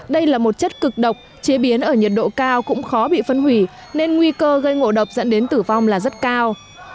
đây là một chất cực độc chế biến ở nhiệt độ cao cũng khó bị phân hủy nên nguy cơ gây ngộ độc dẫn đến tử vong là rất cao